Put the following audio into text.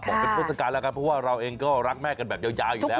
บอกเป็นเทศกาลแล้วกันเพราะว่าเราเองก็รักแม่กันแบบยาวอยู่แล้ว